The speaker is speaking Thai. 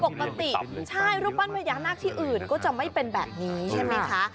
ปกติใช่รูปปั้นพญานาคที่อื่นก็จะไม่เป็นแบบนี้ใช่ไหมคะ